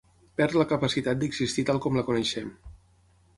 Perd la capacitat d'existir tal com la coneixem.